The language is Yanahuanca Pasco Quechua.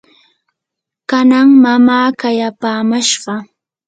kanan mamaa qayapamashqa